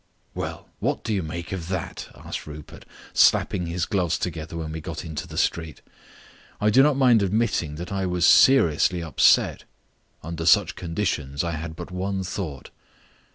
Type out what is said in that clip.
"Well, what do you make of that?" asked Rupert, slapping his gloves together when we got into the street. I do not mind admitting that I was seriously upset. Under such conditions I had but one thought.